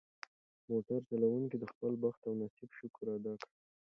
موټر چلونکي د خپل بخت او نصیب شکر ادا کړ.